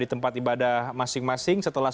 di tempat ibadah masing masing setelah